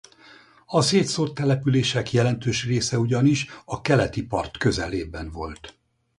A szétszórt települések jelentős része ugyanis a keleti part közelében volt.